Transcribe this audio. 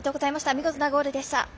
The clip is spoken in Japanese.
見事なゴールでした。